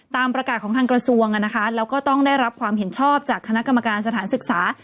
ตามประกาศของทางกระทรวงแล้วก็ต้องได้รับความเห็นชอบจากคณะกรรมการสถานศึกษา